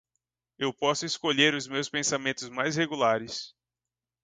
Eu posso escolher os meus pensamentos mais regulares.